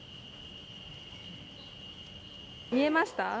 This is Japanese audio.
見えました？